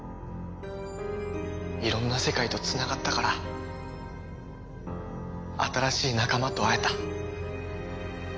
いろんな世界と繋がったから新しい仲間と会えた。